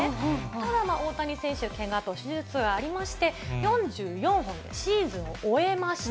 ただ、大谷選手、けがと手術がありまして、４４本でシーズンを終えました。